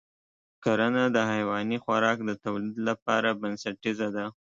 کرنه د حیواني خوراک د تولید لپاره بنسټیزه ده.